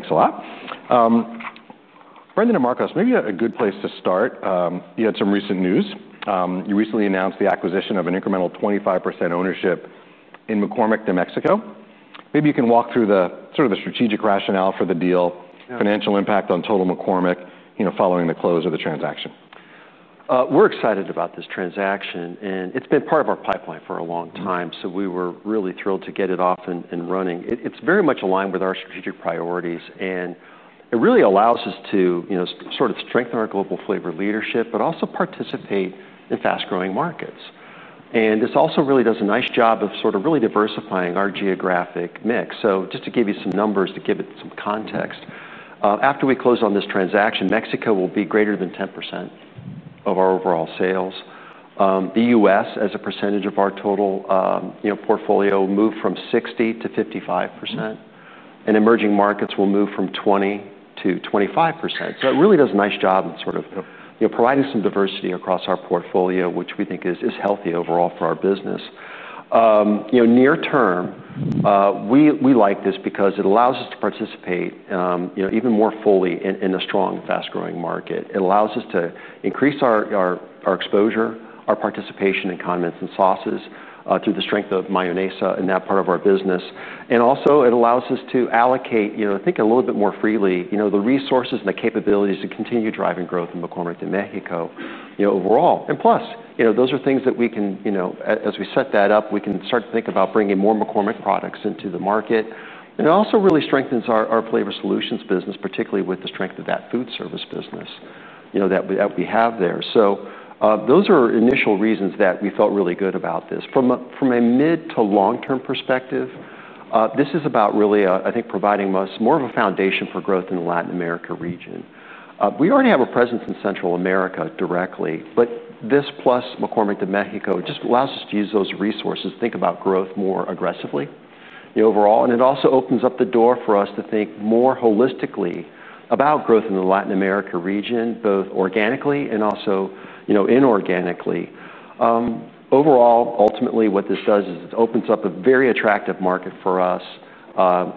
Thanks a lot. Brendan and Marcos, maybe a good place to start. You had some recent news. You recently announced the acquisition of an incremental 25% ownership in McCormick de Mexico. Maybe you can walk through the sort of the strategic rationale for the deal. Financial impact on total McCormick, you know, following the close of the transaction. We're excited about this transaction, and it's been part of our pipeline for a long time, so we were really thrilled to get it off and running. It's very much aligned with our strategic priorities, and it really allows us to, you know, sort of strengthen our global flavor leadership, but also participate in fast-growing markets. And this also really does a nice job of sort of really diversifying our geographic mix. So just to give you some numbers to give it some context, after we close on this transaction, Mexico will be greater than 10% of our overall sales. The U.S., as a percentage of our total, you know, portfolio, will move from 60%-55%, and emerging markets will move from 20%-25%. So it really does a nice job of sort of, you know, providing some diversity across our portfolio, which we think is healthy overall for our business. You know, near term, we like this because it allows us to participate, you know, even more fully in a strong, fast-growing market. It allows us to increase our exposure, our participation in condiments and sauces through the strength of Mayonesa in that part of our business. And also, it allows us to allocate, you know, think a little bit more freely, you know, the resources and the capabilities to continue driving growth in McCormick in Mexico, you know, overall. And plus, you know, those are things that we can, you know, as we set that up, we can start to think about bringing more McCormick products into the market. And it also really strengthens our Flavor Solutions business, particularly with the strength of that food service business, you know, that we have there. So those are initial reasons that we felt really good about this. From a mid to long-term perspective, this is about really, I think, providing us more of a foundation for growth in the Latin America region. We already have a presence in Central America directly, but this plus McCormick de Mexico just allows us to use those resources, think about growth more aggressively, you know, overall. And it also opens up the door for us to think more holistically about growth in the Latin America region, both organically and also, you know, inorganically. Overall, ultimately, what this does is it opens up a very attractive market for us.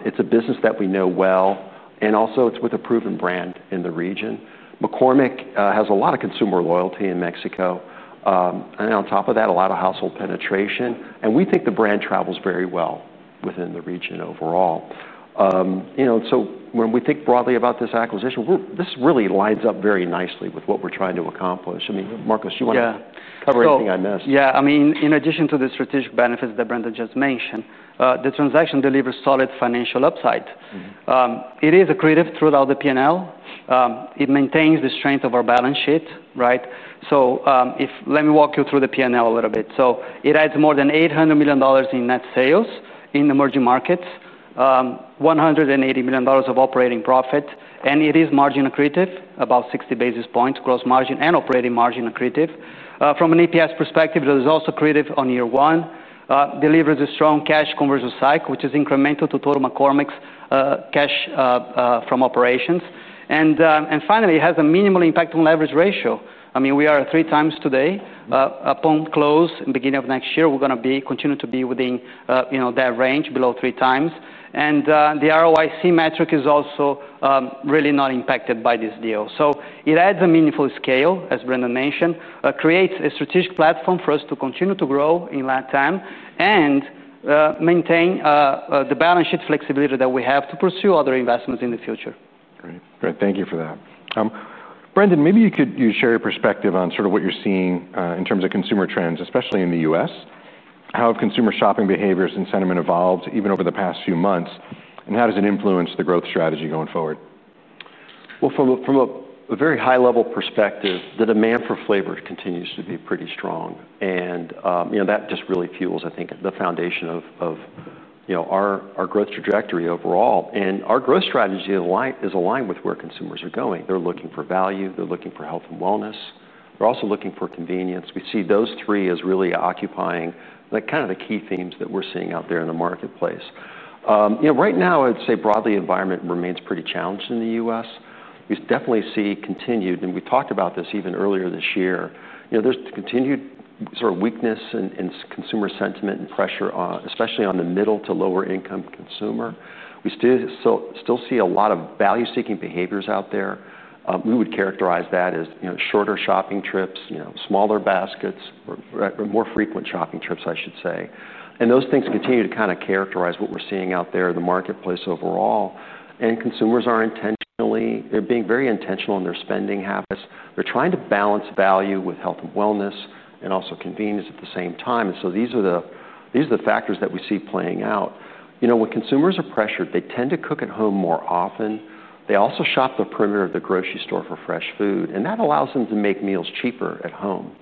It's a business that we know well, and also it's with a proven brand in the region. McCormick has a lot of consumer loyalty in Mexico, and on top of that, a lot of household penetration, and we think the brand travels very well within the region overall. You know, and so when we think broadly about this acquisition, this really lines up very nicely with what we're trying to accomplish. I mean, Marcos, you want to cover anything I missed? Yeah, I mean, in addition to the strategic benefits that Brendan just mentioned, the transaction delivers solid financial upside. It is accretive throughout the P&L. It maintains the strength of our balance sheet, right? So, let me walk you through the P&L a little bit. So it adds more than $800 million in net sales in emerging markets, $180 million of operating profit, and it is margin accretive, about 60 basis points gross margin and operating margin accretive. From an EPS perspective, it is also accretive on year one, delivers a strong cash conversion cycle, which is incremental to total McCormick's cash from operations. And finally, it has a minimal impact on leverage ratio. I mean, we are at three times today. Upon close, in the beginning of next year, we're going to continue to be within, you know, that range, below three times. The ROIC metric is also really not impacted by this deal. It adds a meaningful scale, as Brendan mentioned, creates a strategic platform for us to continue to grow in that time and maintain the balance sheet flexibility that we have to pursue other investments in the future. Great. Great. Thank you for that. Brendan, maybe you could share your perspective on sort of what you're seeing in terms of consumer trends, especially in the U.S., how have consumer shopping behaviors and sentiment evolved even over the past few months, and how does it influence the growth strategy going forward? From a very high-level perspective, the demand for flavor continues to be pretty strong, and, you know, that just really fuels, I think, the foundation of, you know, our growth trajectory overall. And our growth strategy is aligned with where consumers are going. They're looking for value, they're looking for health and wellness, they're also looking for convenience. We see those three as really occupying kind of the key themes that we're seeing out there in the marketplace. You know, right now, I'd say broadly, the environment remains pretty challenged in the U.S. We definitely see continued, and we talked about this even earlier this year, you know, there's continued sort of weakness in consumer sentiment and pressure, especially on the middle to lower-income consumer. We still see a lot of value-seeking behaviors out there. We would characterize that as, you know, shorter shopping trips, you know, smaller baskets, or more frequent shopping trips, I should say. And those things continue to kind of characterize what we're seeing out there in the marketplace overall. And consumers are intentionally, they're being very intentional in their spending habits. They're trying to balance value with health and wellness and also convenience at the same time. And so these are the factors that we see playing out. You know, when consumers are pressured, they tend to cook at home more often. They also shop the perimeter of the grocery store for fresh food, and that allows them to make meals cheaper at home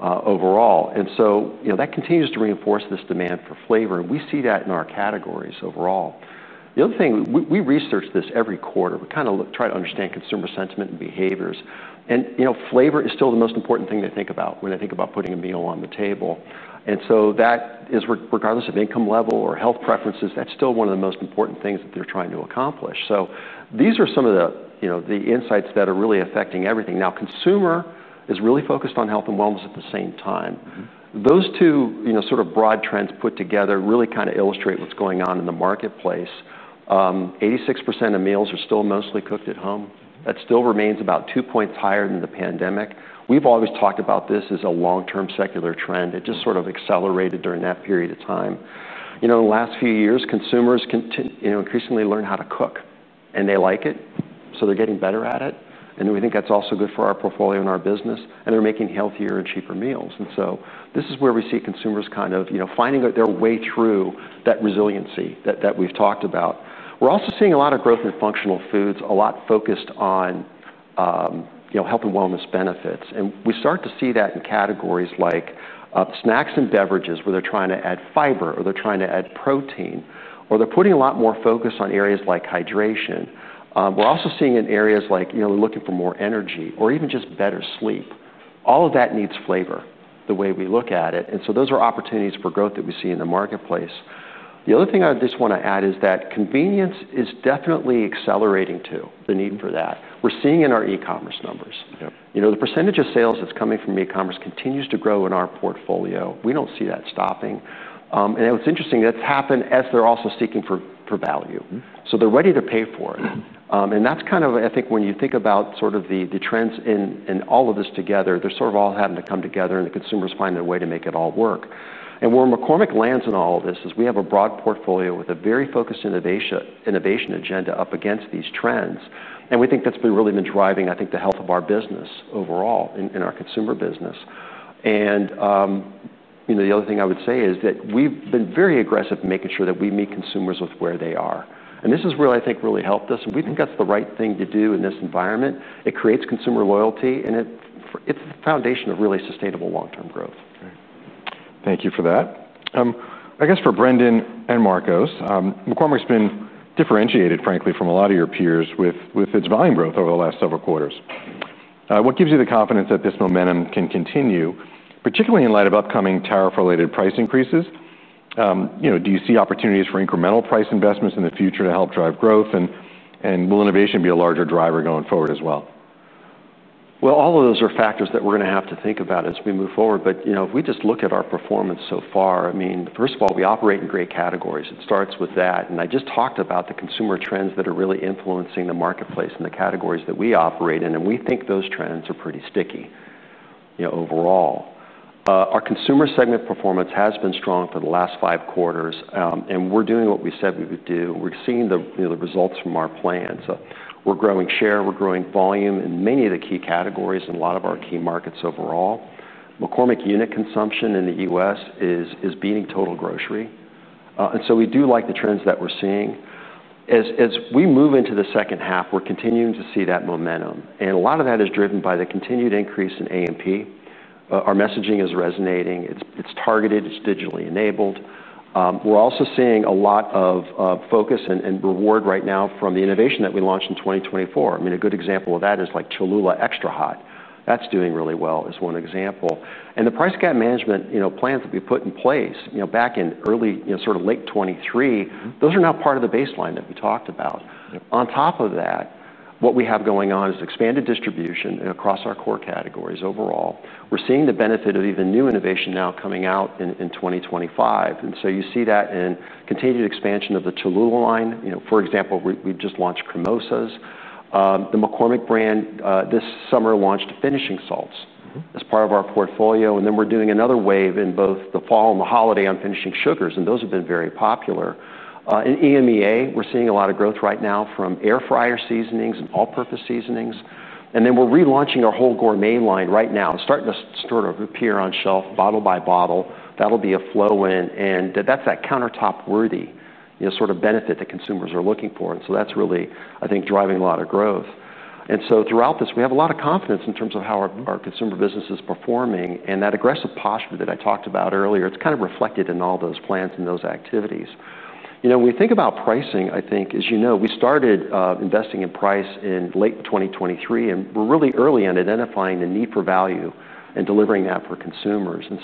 overall. And so, you know, that continues to reinforce this demand for flavor, and we see that in our categories overall. The other thing, we research this every quarter. We kind of try to understand consumer sentiment and behaviors, and, you know, flavor is still the most important thing they think about when they think about putting a meal on the table, and so that is, regardless of income level or health preferences, that's still one of the most important things that they're trying to accomplish, so these are some of the, you know, the insights that are really affecting everything. Now, consumer is really focused on health and wellness at the same time. Those two, you know, sort of broad trends put together really kind of illustrate what's going on in the marketplace. 86% of meals are still mostly cooked at home. That still remains about two points higher than the pandemic. We've always talked about this as a long-term secular trend. It just sort of accelerated during that period of time. You know, in the last few years, consumers, you know, increasingly learn how to cook, and they like it, so they're getting better at it. And we think that's also good for our portfolio and our business, and they're making healthier and cheaper meals. And so this is where we see consumers kind of, you know, finding their way through that resiliency that we've talked about. We're also seeing a lot of growth in functional foods, a lot focused on, you know, health and wellness benefits. And we start to see that in categories like snacks and beverages, where they're trying to add fiber, or they're trying to add protein, or they're putting a lot more focus on areas like hydration. We're also seeing in areas like, you know, they're looking for more energy or even just better sleep. All of that needs flavor the way we look at it. And so those are opportunities for growth that we see in the marketplace. The other thing I just want to add is that convenience is definitely accelerating too, the need for that. We're seeing in our e-commerce numbers. You know, the percentage of sales that's coming from e-commerce continues to grow in our portfolio. We don't see that stopping. And what's interesting, that's happened as they're also seeking for value. So they're ready to pay for it. And that's kind of, I think, when you think about sort of the trends in all of this together, they're sort of all having to come together, and the consumers find their way to make it all work. And where McCormick lands in all of this is we have a broad portfolio with a very focused innovation agenda up against these trends. And we think that's really been driving, I think, the health of our business overall in our consumer business. And, you know, the other thing I would say is that we've been very aggressive in making sure that we meet consumers with where they are. And this has really, I think, really helped us, and we think that's the right thing to do in this environment. It creates consumer loyalty, and it's the foundation of really sustainable long-term growth. Thank you for that. I guess for Brendan and Marcos, McCormick's been differentiated, frankly, from a lot of your peers with its volume growth over the last several quarters. What gives you the confidence that this momentum can continue, particularly in light of upcoming tariff-related price increases? You know, do you see opportunities for incremental price investments in the future to help drive growth, and will innovation be a larger driver going forward as well? All of those are factors that we're going to have to think about as we move forward. You know, if we just look at our performance so far, I mean, first of all, we operate in great categories. It starts with that. I just talked about the consumer trends that are really influencing the marketplace and the categories that we operate in, and we think those trends are pretty sticky, you know, overall. Our Consumer segment performance has been strong for the last five quarters, and we're doing what we said we would do. We're seeing the results from our plans. We're growing share, we're growing volume in many of the key categories and a lot of our key markets overall. McCormick unit consumption in the U.S. is beating total grocery. We do like the trends that we're seeing. As we move into the second half, we're continuing to see that momentum. And a lot of that is driven by the continued increase in A&P. Our messaging is resonating. It's targeted, it's digitally enabled. We're also seeing a lot of focus and reward right now from the innovation that we launched in 2024. I mean, a good example of that is like Cholula Extra Hot. That's doing really well as one example. And the price gap management, you know, plans that we put in place, you know, back in early, you know, sort of late 2023, those are now part of the baseline that we talked about. On top of that, what we have going on is expanded distribution across our core categories overall. We're seeing the benefit of even new innovation now coming out in 2025. And so you see that in continued expansion of the Cholula line. You know, for example, we've just launched Cremosas. The McCormick brand this summer launched Finishing Salts as part of our portfolio. And then we're doing another wave in both the fall and the holiday on Finishing Sugars, and those have been very popular. In EMEA, we're seeing a lot of growth right now from Air Fryer Seasonings and all-purpose seasonings. And then we're relaunching our whole Gourmet line right now. It's starting to sort of appear on shelf bottle by bottle. That'll be a flow in, and that's that countertop-worthy, you know, sort of benefit that consumers are looking for. And so that's really, I think, driving a lot of growth. And so throughout this, we have a lot of confidence in terms of how our consumer business is performing. And that aggressive posture that I talked about earlier, it's kind of reflected in all those plans and those activities. You know, when we think about pricing, I think, as you know, we started investing in price in late 2023, and we're really early in identifying the need for value and delivering that for consumers, and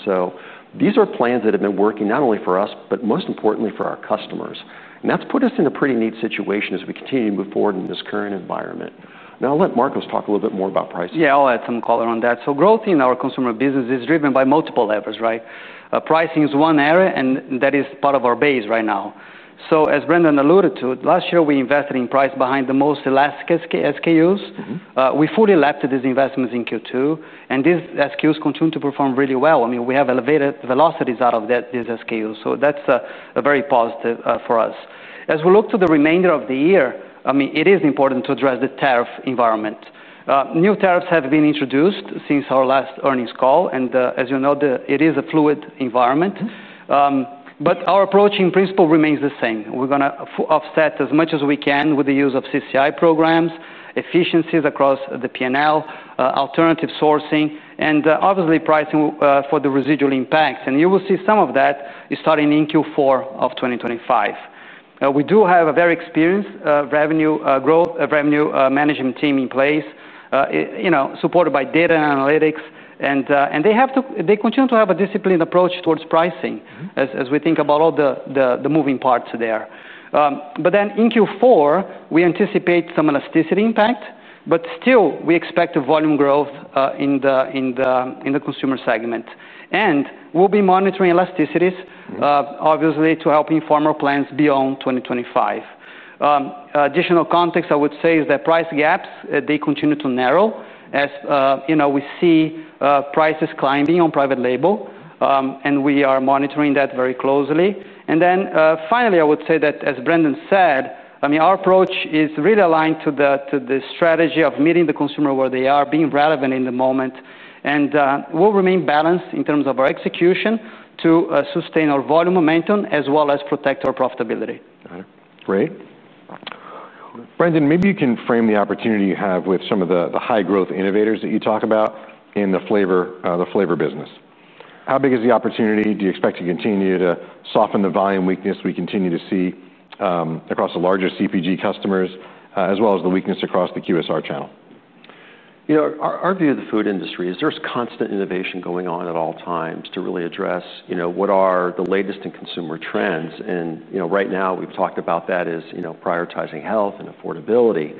that's put us in a pretty neat situation as we continue to move forward in this current environment. Now I'll let Marcos talk a little bit more about pricing. Yeah, I'll add some color on that. So growth in our consumer business is driven by multiple levels, right? Pricing is one area, and that is part of our base right now. So as Brendan alluded to, last year we invested in price behind the most elastic SKUs. We fully lapped these investments in Q2, and these SKUs continue to perform really well. I mean, we have elevated velocities out of these SKUs, so that's very positive for us. As we look to the remainder of the year, I mean, it is important to address the tariff environment. New tariffs have been introduced since our last earnings call, and as you know, it is a fluid environment. But our approach in principle remains the same. We're going to offset as much as we can with the use of CCI programs, efficiencies across the P&L, alternative sourcing, and obviously pricing for the residual impacts. You will see some of that is starting in Q4 of 2025. We do have a very experienced revenue management team in place, you know, supported by data and analytics, and they continue to have a disciplined approach towards pricing as we think about all the moving parts there. Then in Q4, we anticipate some elasticity impact, but still we expect a volume growth in the Consumer segment. We'll be monitoring elasticities, obviously, to help inform our plans beyond 2025. Additional context I would say is that price gaps, they continue to narrow as, you know, we see prices climbing on private label, and we are monitoring that very closely. And then finally, I would say that as Brendan said, I mean, our approach is really aligned to the strategy of meeting the consumer where they are, being relevant in the moment, and we'll remain balanced in terms of our execution to sustain our volume momentum as well as protect our profitability. Got it. Great. Brendan, maybe you can frame the opportunity you have with some of the high-growth innovators that you talk about in the flavor business. How big is the opportunity? Do you expect to continue to soften the volume weakness we continue to see across the larger CPG customers, as well as the weakness across the QSR channel? You know, our view of the food industry is there's constant innovation going on at all times to really address, you know, what are the latest in consumer trends. And, you know, right now we've talked about that as, you know, prioritizing health and affordability.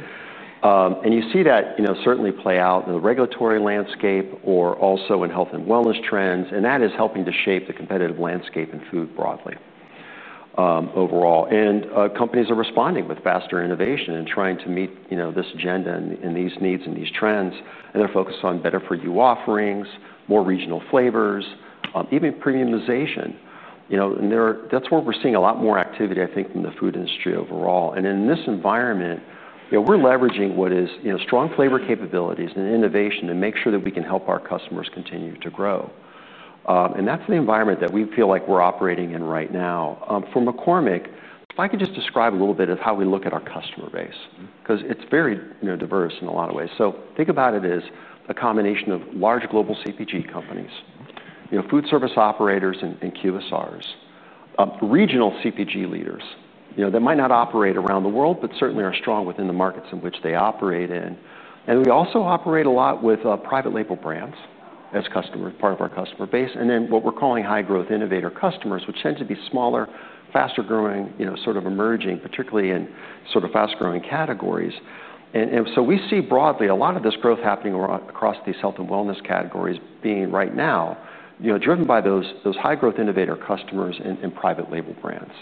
And you see that, you know, certainly play out in the regulatory landscape or also in health and wellness trends, and that is helping to shape the competitive landscape in food broadly overall. And companies are responding with faster innovation and trying to meet, you know, this agenda and these needs and these trends. And they're focused on better-for-you offerings, more regional flavors, even premiumization. You know, and that's where we're seeing a lot more activity, I think, from the food industry overall. And in this environment, you know, we're leveraging what is, you know, strong flavor capabilities and innovation to make sure that we can help our customers continue to grow, and that's the environment that we feel like we're operating in right now. For McCormick, if I could just describe a little bit of how we look at our customer base, because it's very, you know, diverse in a lot of ways, so think about it as a combination of large global CPG companies, you know, food service operators and QSRs, regional CPG leaders, you know, that might not operate around the world, but certainly are strong within the markets in which they operate in, and we also operate a lot with private label brands as customers, part of our customer base. And then what we're calling high-growth innovator customers, which tend to be smaller, faster-growing, you know, sort of emerging, particularly in sort of fast-growing categories. And so we see broadly a lot of this growth happening across these health and wellness categories being right now, you know, driven by those high-growth innovator customers and private label brands.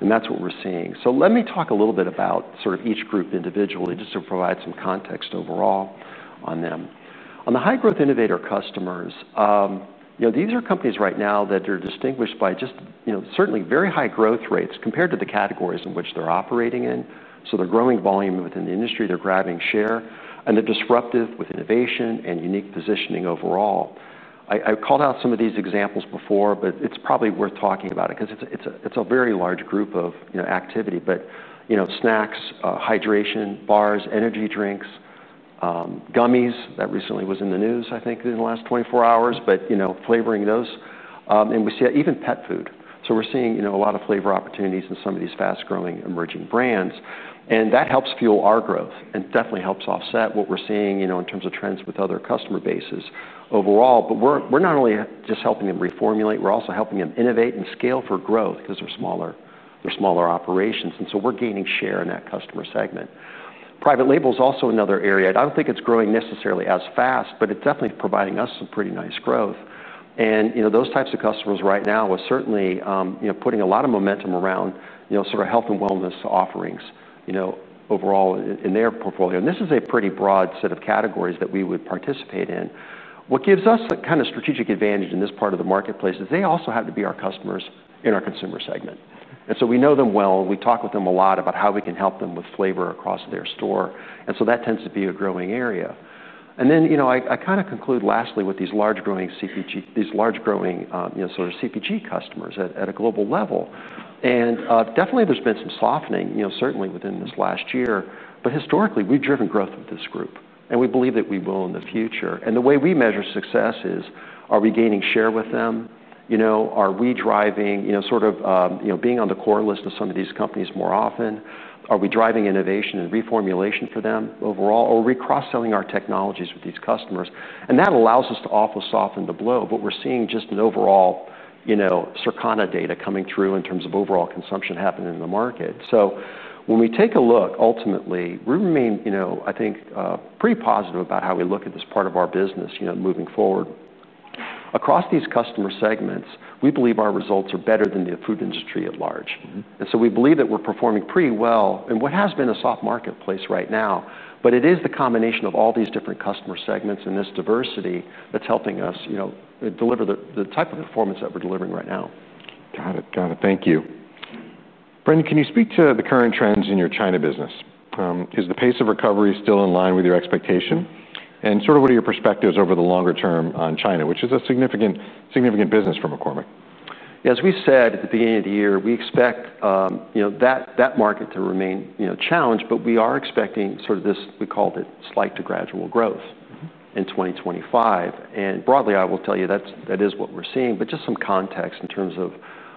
And that's what we're seeing. So let me talk a little bit about sort of each group individually just to provide some context overall on them. On the high-growth innovator customers, you know, these are companies right now that are distinguished by just, you know, certainly very high growth rates compared to the categories in which they're operating in. So they're growing volume within the industry, they're grabbing share, and they're disruptive with innovation and unique positioning overall. I called out some of these examples before, but it's probably worth talking about it because it's a very large group of, you know, activity. But, you know, snacks, hydration, bars, energy drinks, gummies, that recently was in the news, I think, in the last 24 hours, but, you know, flavoring those. And we see even pet food. So we're seeing, you know, a lot of flavor opportunities in some of these fast-growing emerging brands. And that helps fuel our growth and definitely helps offset what we're seeing, you know, in terms of trends with other customer bases overall. But we're not only just helping them reformulate, we're also helping them innovate and scale for growth because they're smaller operations. And so we're gaining share in that customer segment. Private label is also another area. I don't think it's growing necessarily as fast, but it's definitely providing us some pretty nice growth. And, you know, those types of customers right now are certainly, you know, putting a lot of momentum around, you know, sort of health and wellness offerings, you know, overall in their portfolio. And this is a pretty broad set of categories that we would participate in. What gives us a kind of strategic advantage in this part of the marketplace is they also happen to be our customers in our Consumer segment. And so we know them well. We talk with them a lot about how we can help them with flavor across their store. And so that tends to be a growing area. And then, you know, I kind of conclude lastly with these large-growing CPG, these large-growing, you know, sort of CPG customers at a global level. Definitely there's been some softening, you know, certainly within this last year. But historically, we've driven growth with this group, and we believe that we will in the future. The way we measure success is, are we gaining share with them? You know, are we driving, you know, sort of, you know, being on the core list of some of these companies more often? Are we driving innovation and reformulation for them overall? Are we cross-selling our technologies with these customers? And that allows us to often soften the blow. But we're seeing just an overall, you know, Circana data coming through in terms of overall consumption happening in the market. So when we take a look, ultimately, we remain, you know, I think, pretty positive about how we look at this part of our business, you know, moving forward. Across these customer segments, we believe our results are better than the food industry at large, and so we believe that we're performing pretty well in what has been a soft marketplace right now, but it is the combination of all these different customer segments and this diversity that's helping us, you know, deliver the type of performance that we're delivering right now. Got it. Got it. Thank you. Brendan, can you speak to the current trends in your China business? Is the pace of recovery still in line with your expectation? And sort of what are your perspectives over the longer term on China, which is a significant business for McCormick? Yeah, as we said at the beginning of the year, we expect, you know, that market to remain, you know, challenged, but we are expecting sort of this, we called it slight to gradual growth in 2025. And broadly, I will tell you that is what we're seeing. But just some context in terms of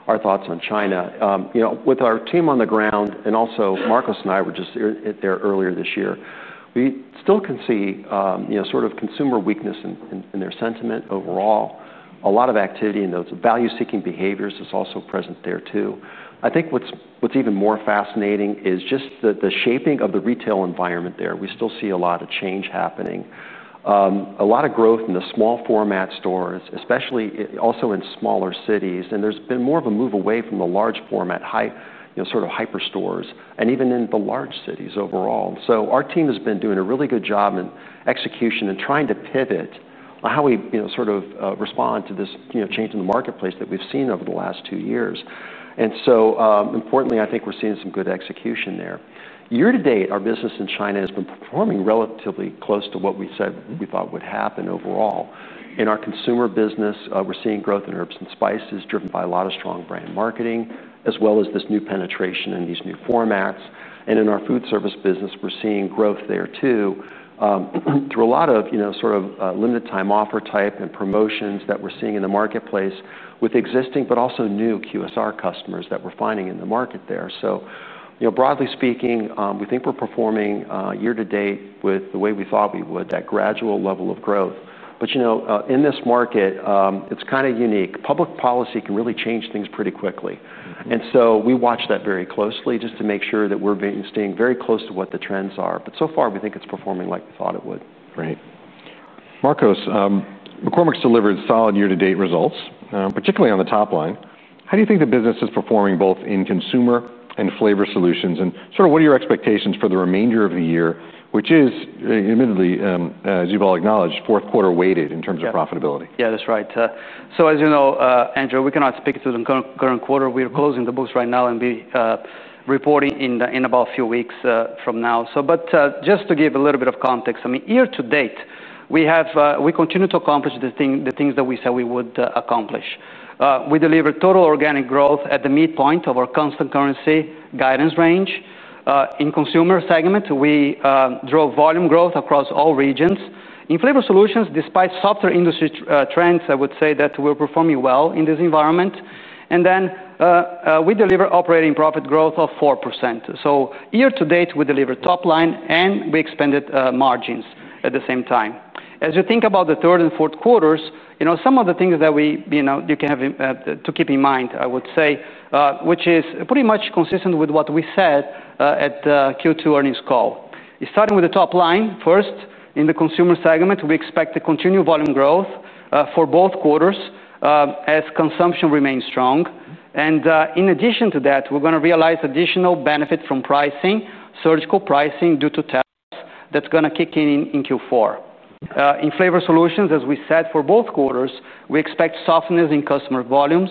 our thoughts on China. You know, with our team on the ground and also Marcos and I, we're just there earlier this year, we still can see, you know, sort of consumer weakness in their sentiment overall. A lot of activity in those value-seeking behaviors is also present there too. I think what's even more fascinating is just the shaping of the retail environment there. We still see a lot of change happening, a lot of growth in the small format stores, especially also in smaller cities. There's been more of a move away from the large format, you know, sort of hyper stores and even in the large cities overall. Our team has been doing a really good job in execution and trying to pivot on how we, you know, sort of respond to this, you know, change in the marketplace that we've seen over the last two years. Importantly, I think we're seeing some good execution there. Year to date, our business in China has been performing relatively close to what we said we thought would happen overall. In our consumer business, we're seeing growth in herbs and spices driven by a lot of strong brand marketing, as well as this new penetration in these new formats. And in our food service business, we're seeing growth there too through a lot of, you know, sort of limited-time offer type and promotions that we're seeing in the marketplace with existing but also new QSR customers that we're finding in the market there. So, you know, broadly speaking, we think we're performing year to date with the way we thought we would, that gradual level of growth. But, you know, in this market, it's kind of unique. Public policy can really change things pretty quickly. And so we watch that very closely just to make sure that we're staying very close to what the trends are. But so far, we think it's performing like we thought it would. Right. Marcos, McCormick's delivered solid year-to-date results, particularly on the top line. How do you think the business is performing both in consumer and Flavor Solutions? And sort of what are your expectations for the remainder of the year, which is admittedly, as you've all acknowledged, fourth quarter weighted in terms of profitability? Yeah, that's right. So as you know, Andrew, we cannot speak to the current quarter. We're closing the books right now and we'll be reporting in about a few weeks from now. So, but just to give a little bit of context, I mean, year to date, we continue to accomplish the things that we said we would accomplish. We delivered total organic growth at the midpoint of our constant currency guidance range. In Consumer segment, we drove volume growth across all regions. In Flavor Solutions, despite softer industry trends, I would say that we're performing well in this environment. And then we delivered operating profit growth of 4%. So year to date, we delivered top line and we expanded margins at the same time. As you think about the third and fourth quarters, you know, some of the things that we, you know, you can have to keep in mind, I would say, which is pretty much consistent with what we said at the Q2 earnings call. Starting with the top line first, in the Consumer segment, we expect to continue volume growth for both quarters as consumption remains strong. And in addition to that, we're going to realize additional benefit from pricing, surgical pricing due to tariffs that's going to kick in in Q4. In Flavor Solutions, as we said for both quarters, we expect softness in customer volumes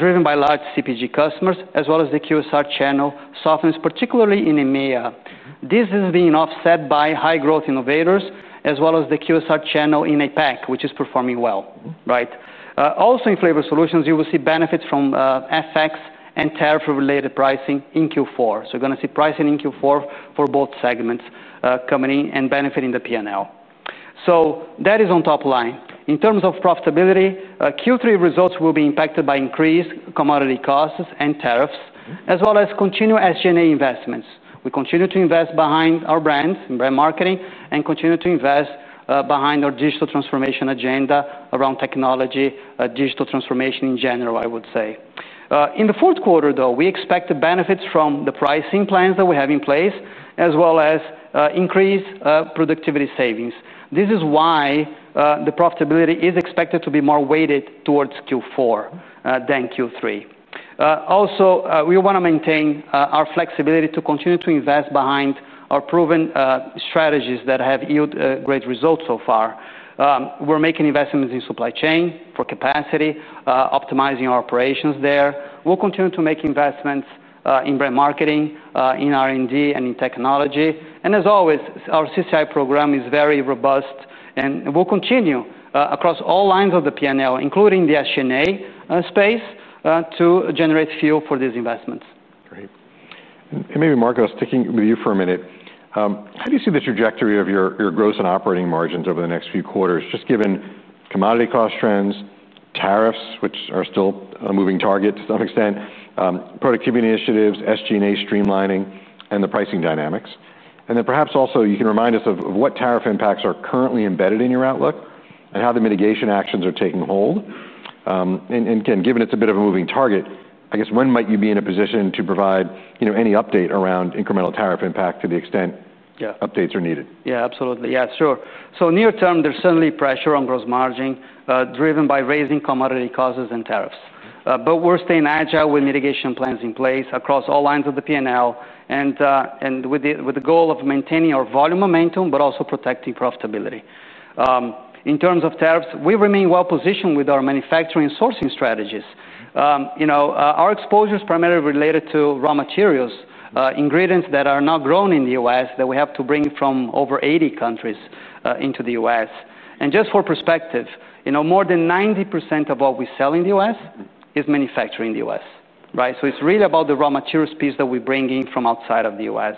driven by large CPG customers, as well as the QSR channel softness, particularly in EMEA. This is being offset by high-growth innovators, as well as the QSR channel in APAC, which is performing well, right? Also in Flavor Solutions, you will see benefits from FX and tariff-related pricing in Q4. So you're going to see pricing in Q4 for both segments coming in and benefiting the P&L. So that is on top line. In terms of profitability, Q3 results will be impacted by increased commodity costs and tariffs, as well as continued SG&A investments. We continue to invest behind our brands and brand marketing and continue to invest behind our digital transformation agenda around technology, digital transformation in general, I would say. In the fourth quarter, though, we expect the benefits from the pricing plans that we have in place, as well as increased productivity savings. This is why the profitability is expected to be more weighted towards Q4 than Q3. Also, we want to maintain our flexibility to continue to invest behind our proven strategies that have yielded great results so far. We're making investments in supply chain for capacity, optimizing our operations there. We'll continue to make investments in brand marketing, in R&D, and in technology. And as always, our CCI program is very robust and will continue across all lines of the P&L, including the SG&A space, to generate fuel for these investments. Great. And maybe, Marcos, sticking with you for a minute, how do you see the trajectory of your growth and operating margins over the next few quarters, just given commodity cost trends, tariffs, which are still a moving target to some extent, productivity initiatives, SG&A streamlining, and the pricing dynamics? And then perhaps also you can remind us of what tariff impacts are currently embedded in your outlook and how the mitigation actions are taking hold. And again, given it's a bit of a moving target, I guess when might you be in a position to provide, you know, any update around incremental tariff impact to the extent updates are needed? Yeah, absolutely. Yeah, sure. So near term, there's certainly pressure on gross margin driven by rising commodity costs and tariffs. But we're staying agile with mitigation plans in place across all lines of the P&L and with the goal of maintaining our volume momentum, but also protecting profitability. In terms of tariffs, we remain well-positioned with our manufacturing and sourcing strategies. You know, our exposure is primarily related to raw materials, ingredients that are not grown in the U.S. that we have to bring from over 80 countries into the U.S. And just for perspective, you know, more than 90% of what we sell in the U.S. is manufactured in the U.S., right? So it's really about the raw materials piece that we bring in from outside of the U.S.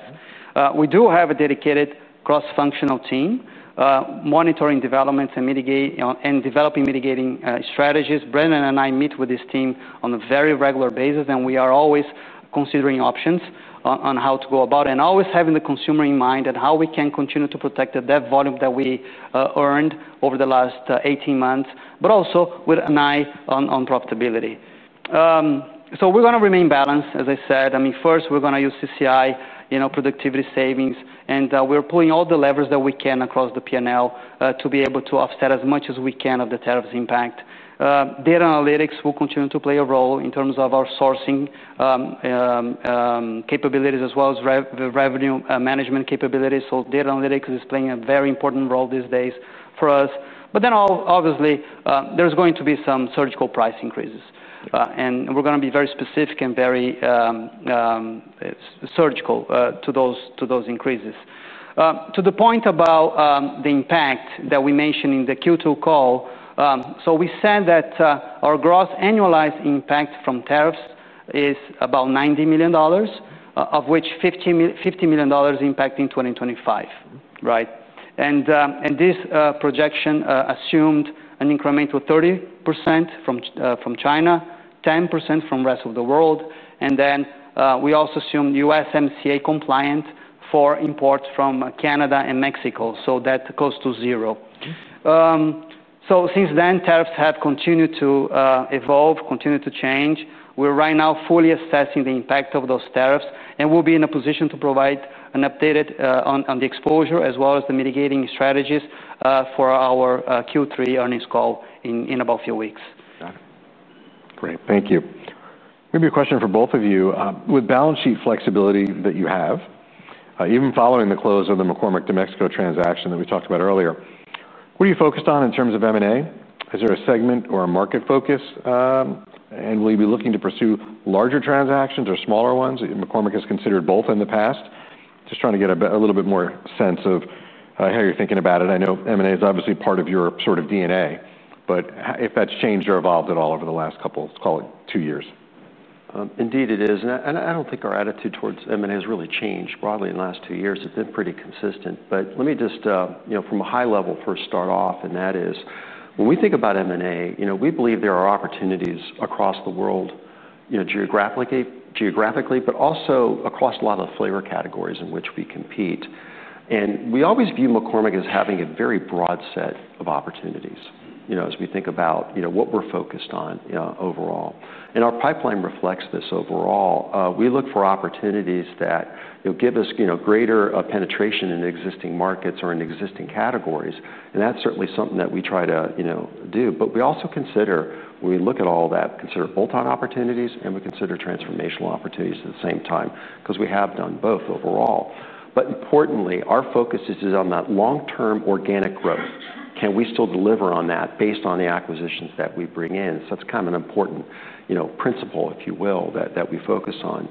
We do have a dedicated cross-functional team monitoring developments and developing mitigating strategies. Brendan and I meet with this team on a very regular basis, and we are always considering options on how to go about it and always having the consumer in mind and how we can continue to protect the debt volume that we earned over the last 18 months, but also with an eye on profitability, so we're going to remain balanced, as I said. I mean, first, we're going to use CCI, you know, productivity savings, and we're pulling all the levers that we can across the P&L to be able to offset as much as we can of the tariffs impact. Data analytics will continue to play a role in terms of our sourcing capabilities, as well as revenue management capabilities, so data analytics is playing a very important role these days for us. But then obviously, there's going to be some surgical price increases, and we're going to be very specific and very surgical to those increases. To the point about the impact that we mentioned in the Q2 call, so we said that our gross annualized impact from tariffs is about $90 million, of which $50 million impact in 2025, right? And this projection assumed an incremental 30% from China, 10% from the rest of the world. And then we also assumed USMCA compliant for imports from Canada and Mexico, so that's close to zero. So since then, tariffs have continued to evolve, continue to change. We're right now fully assessing the impact of those tariffs, and we'll be in a position to provide an update on the exposure, as well as the mitigating strategies for our Q3 earnings call in about a few weeks. Got it. Great. Thank you. Maybe a question for both of you. With balance sheet flexibility that you have, even following the close of the McCormick de Mexico transaction that we talked about earlier, what are you focused on in terms of M&A? Is there a segment or a market focus? And will you be looking to pursue larger transactions or smaller ones? McCormick has considered both in the past. Just trying to get a little bit more sense of how you're thinking about it. I know M&A is obviously part of your sort of DNA, but if that's changed or evolved at all over the last couple, let's call it two years. Indeed, it is. And I don't think our attitude towards M&A has really changed broadly in the last two years. It's been pretty consistent. But let me just, you know, from a high level first start off, and that is when we think about M&A, you know, we believe there are opportunities across the world, you know, geographically, but also across a lot of the flavor categories in which we compete. And we always view McCormick as having a very broad set of opportunities, you know, as we think about, you know, what we're focused on overall. And our pipeline reflects this overall. We look for opportunities that, you know, give us, you know, greater penetration in existing markets or in existing categories. And that's certainly something that we try to, you know, do. But we also consider, when we look at all that, we consider bolt-on opportunities, and we consider transformational opportunities at the same time, because we have done both overall, but importantly, our focus is on that long-term organic growth. Can we still deliver on that based on the acquisitions that we bring in, so that's kind of an important, you know, principle, if you will, that we focus on.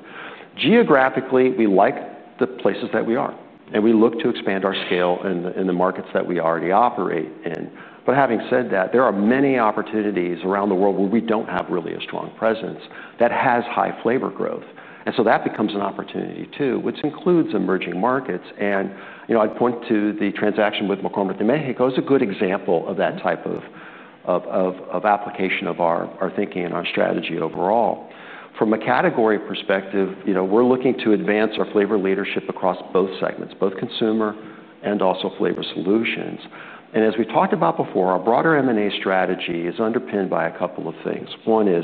Geographically, we like the places that we are, and we look to expand our scale in the markets that we already operate in, but having said that, there are many opportunities around the world where we don't have really a strong presence that has high flavor growth, and so that becomes an opportunity too, which includes emerging markets. And, you know, I'd point to the transaction with McCormick de Mexico as a good example of that type of application of our thinking and our strategy overall. From a category perspective, you know, we're looking to advance our flavor leadership across both segments, both consumer and also Flavor Solutions. And as we talked about before, our broader M&A strategy is underpinned by a couple of things. One is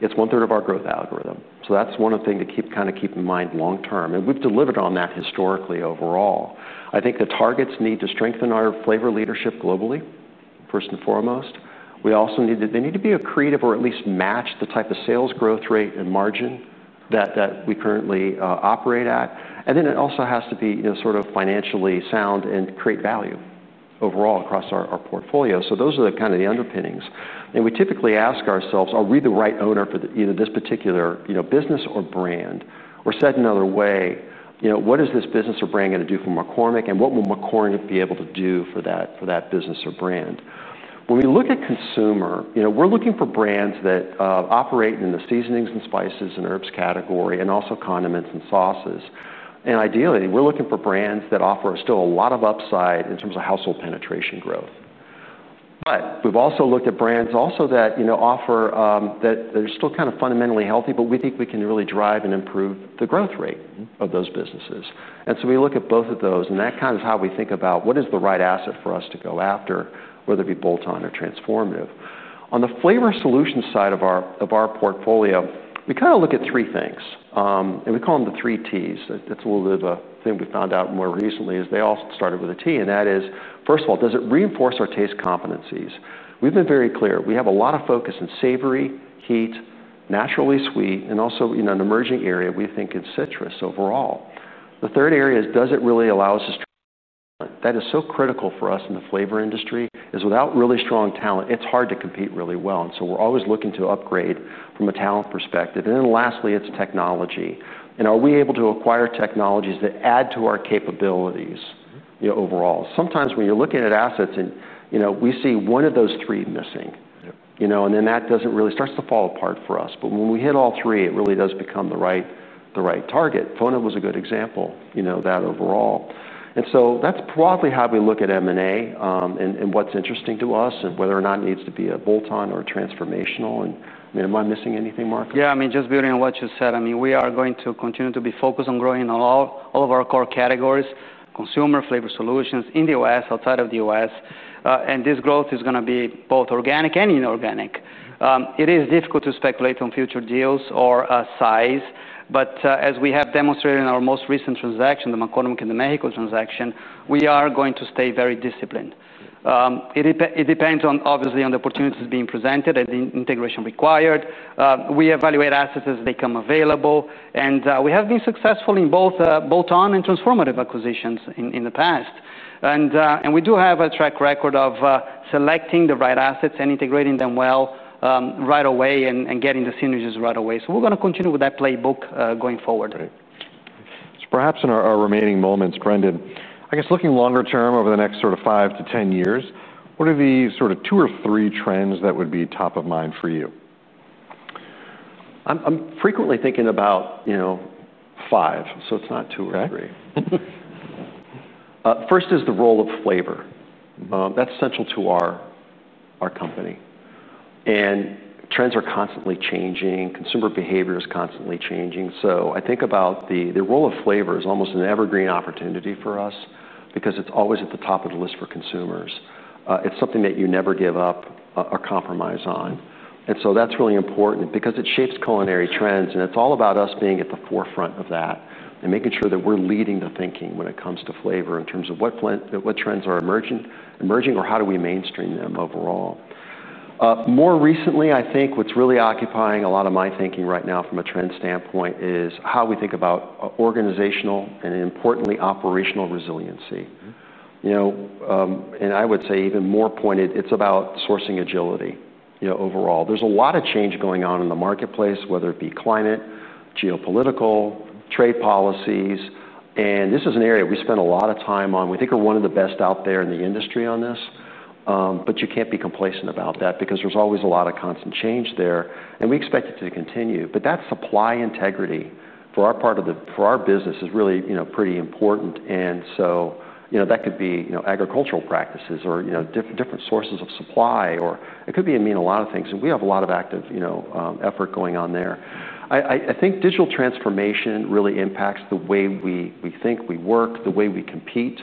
it's one-third of our growth algorithm. So that's one of the things to keep kind of in mind long-term. And we've delivered on that historically overall. I think the targets need to strengthen our flavor leadership globally, first and foremost. We also need to be creative or at least match the type of sales growth rate and margin that we currently operate at. And then it also has to be, you know, sort of financially sound and create value overall across our portfolio. So those are kind of the underpinnings. And we typically ask ourselves, are we the right owner for either this particular, you know, business or brand? Or said another way, you know, what is this business or brand going to do for McCormick, and what will McCormick be able to do for that business or brand? When we look at consumer, you know, we're looking for brands that operate in the seasonings and spices and herbs category and also condiments and sauces. And ideally, we're looking for brands that offer still a lot of upside in terms of household penetration growth. But we've also looked at brands also that, you know, offer that they're still kind of fundamentally healthy, but we think we can really drive and improve the growth rate of those businesses. And so we look at both of those, and that kind of is how we think about what is the right asset for us to go after, whether it be bolt-on or transformative. On the Flavor Solutions side of our portfolio, we kind of look at three things, and we call them the three Ts. That's a little bit of a thing we found out more recently is they all started with a T, and that is, first of all, does it reinforce our taste competencies? We've been very clear. We have a lot of focus in savory, heat, naturally sweet, and also, you know, an emerging area we think is citrus overall. The third area is, does it really allow us to strengthen talent? That is so critical for us in the flavor industry is without really strong talent, it's hard to compete really well. And so we're always looking to upgrade from a talent perspective. And then lastly, it's technology. And are we able to acquire technologies that add to our capabilities, you know, overall? Sometimes when you're looking at assets and, you know, we see one of those three missing, you know, and then that doesn't really start to fall apart for us. But when we hit all three, it really does become the right target. FONA was a good example, you know, of that overall. And so that's broadly how we look at M&A and what's interesting to us and whether or not it needs to be a bolt-on or a transformational. I mean, am I missing anything, Marcos? Yeah, I mean, just building on what you said, I mean, we are going to continue to be focused on growing all of our core categories: consumer Flavor Solutions in the U.S., outside of the U.S. And this growth is going to be both organic and inorganic. It is difficult to speculate on future deals or size, but as we have demonstrated in our most recent transaction, the McCormick de Mexico transaction, we are going to stay very disciplined. It depends on, obviously, on the opportunities being presented and the integration required. We evaluate assets as they come available, and we have been successful in both bolt-on and transformative acquisitions in the past. And we do have a track record of selecting the right assets and integrating them well right away and getting the synergies right away. So we're going to continue with that playbook going forward. Great. So perhaps in our remaining moments, Brendan, I guess looking longer term over the next sort of five to ten years, what are the sort of two or three trends that would be top of mind for you? I'm frequently thinking about, you know, five, so it's not two or three. First is the role of flavor. That's central to our company. And trends are constantly changing. Consumer behavior is constantly changing. So I think about the role of flavor as almost an evergreen opportunity for us because it's always at the top of the list for consumers. It's something that you never give up a compromise on. And so that's really important because it shapes culinary trends, and it's all about us being at the forefront of that and making sure that we're leading the thinking when it comes to flavor in terms of what trends are emerging or how do we mainstream them overall. More recently, I think what's really occupying a lot of my thinking right now from a trend standpoint is how we think about organizational and importantly operational resiliency. You know, and I would say even more pointed, it's about sourcing agility, you know, overall. There's a lot of change going on in the marketplace, whether it be climate, geopolitical, trade policies, and this is an area we spend a lot of time on. We think we're one of the best out there in the industry on this, but you can't be complacent about that because there's always a lot of constant change there, and we expect it to continue, but that supply integrity for our part of the business is really, you know, pretty important, and so, you know, that could be, you know, agricultural practices or, you know, different sources of supply, or it could mean a lot of things, and we have a lot of active, you know, effort going on there. I think digital transformation really impacts the way we think, we work, the way we compete,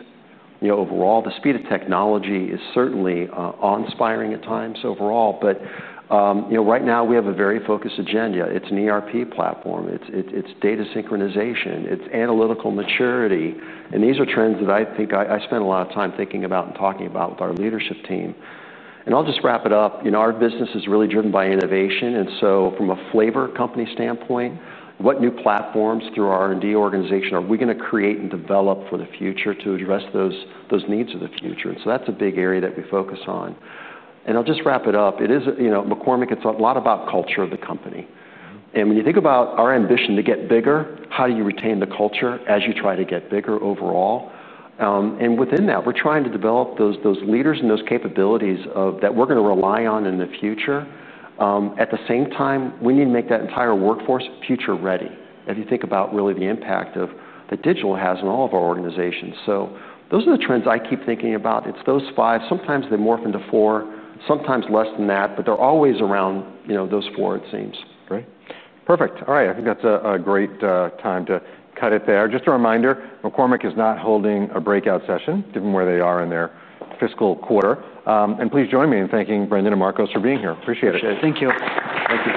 you know, overall. The speed of technology is certainly awe-inspiring at times overall. But, you know, right now we have a very focused agenda. It's an ERP platform. It's data synchronization. It's analytical maturity. And these are trends that I think I spend a lot of time thinking about and talking about with our leadership team. And I'll just wrap it up. You know, our business is really driven by innovation. And so from a flavor company standpoint, what new platforms through our R&D organization are we going to create and develop for the future to address those needs of the future? And so that's a big area that we focus on. And I'll just wrap it up. It is, you know, McCormick, it's a lot about culture of the company. When you think about our ambition to get bigger, how do you retain the culture as you try to get bigger overall? Within that, we're trying to develop those leaders and those capabilities that we're going to rely on in the future. At the same time, we need to make that entire workforce future-ready if you think about really the impact that digital has in all of our organizations. Those are the trends I keep thinking about. It's those five. Sometimes they morph into four, sometimes less than that, but they're always around, you know, those four, it seems. Great. Perfect. All right. I think that's a great time to cut it there. Just a reminder, McCormick is not holding a breakout session, given where they are in their fiscal quarter. And please join me in thanking Brendan and Marcos for being here. Appreciate it. Appreciate it. Thank you. Thank you.